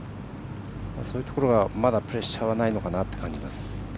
そういうところがまだプレッシャーはないのかなと感じます。